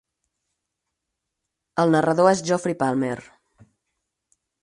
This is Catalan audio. El narrador és Geoffrey Palmer.